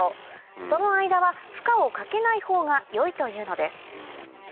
その間は負荷をかけないほうがよいというのです